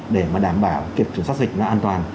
để mà đảm bảo kiểm chuẩn xác dịch nó an toàn